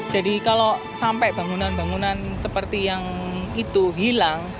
jadi kalau sampai bangunan bangunan seperti yang itu hilang